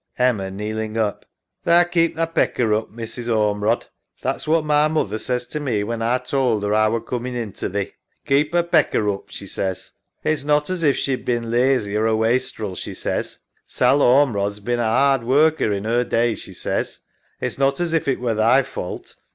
EMMA (kneeling up). Tha keep thy pecker oop, Mrs. Or merod. That's what my moother says to me when A tould 'er A were coomin' in to thee. Keep 'er pecker oop, she says. It's not as if she'd been lazy or a wastrel, she says; Sal Ormerod's bin a 'ard worker in 'er day, she says. It's not as if it were thy fault.